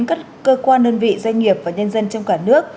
các cơ quan đơn vị doanh nghiệp và nhân dân trong cả nước